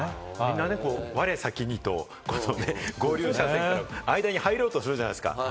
みんな我先にということで合流車線、間に入ろうとするじゃないですか。